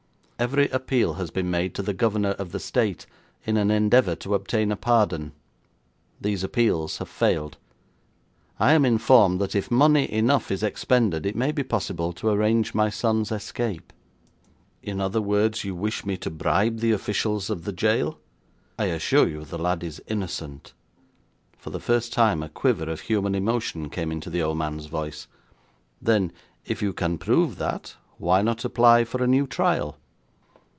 'Every appeal has been made to the governor of the State in an endeavour to obtain a pardon. These appeals have failed. I am informed that if money enough is expended it may be possible to arrange my son's escape.' 'In other words, you wish me to bribe the officials of the jail?' 'I assure you the lad is innocent.' For the first time a quiver of human emotion came into the old man's voice. 'Then, if you can prove that, why not apply for a new trial?'